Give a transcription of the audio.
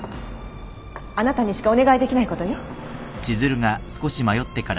あなたにしかお願いできないことよ。